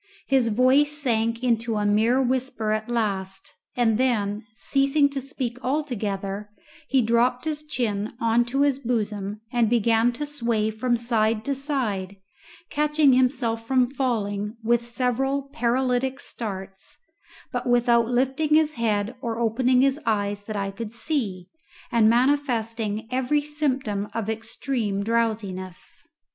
His voice sank into a mere whisper at last, and then, ceasing to speak altogether, he dropped his chin on to his bosom and began to sway from side to side, catching himself from falling with several paralytic starts, but without lifting his head or opening his eyes that I could see, and manifesting every symptom of extreme drowsiness.